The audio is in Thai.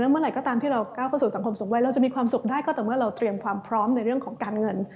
เมื่อไหร่ก็ตามที่เราก้าวเข้าสู่สังคมสูงวัยเราจะมีความสุขได้ก็ต่อเมื่อเราเตรียมความพร้อมในเรื่องของการเงิน